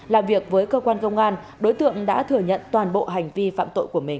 làm việc với cơ quan công an đối tượng đã thừa nhận toàn bộ hành vi phạm tội của mình